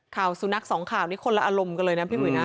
ข่าวสุนัขสองข่าวนี้คนละอารมณ์กันเลยนะพี่อุ๋ยนะ